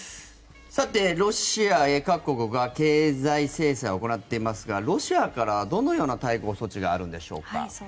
ロシア各国が経済制裁を行っていますがロシアからどのような対抗措置があるのでしょうか。